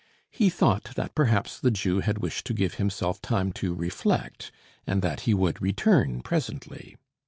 He thought that perhaps the Jew had wished to give himself time to reflect and that he would return presently.